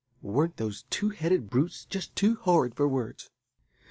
Weren't those two headed brutes just too horrid for words?